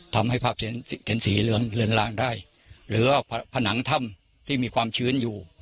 ทำให้ภาพเห็นสีเหลืองเรือนลางได้หรือว่าผนังถ้ำที่มีความชื้นอยู่